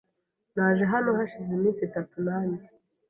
Naje hano hashize iminsi itatu, nanjye .